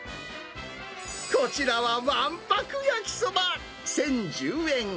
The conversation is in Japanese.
こちらはわんぱく焼きそば１０１０円。